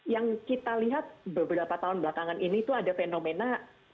yang kita lihat beberapa tahun belakangan ini tuh ada fenomena